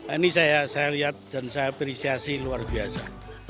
ini saya lihat dan saya apresiasi luar biasa